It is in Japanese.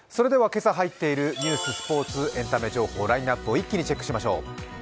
今朝入っているニュース、スポーツエンタメ情報、ラインナップを一気にチェックしましょう。